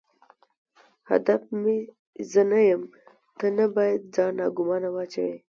هدف مې زه نه یم، ته نه باید ځان ناګومانه واچوې.